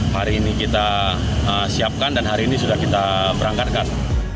hari ini kita siapkan dan hari ini sudah kita berangkatkan